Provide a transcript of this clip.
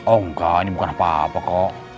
oh enggak ini bukan apa apa kok